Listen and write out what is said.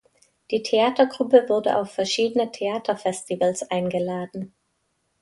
Die Theatergruppe wurde auf verschiedene Theaterfestivals eingeladen.